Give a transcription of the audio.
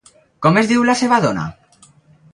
Com es diu la seva dona?